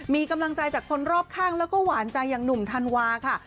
มีกำลังใจจากคนรอบข้างแล้วก็หวานใจอย่างหนุ่มธันวาค่ะ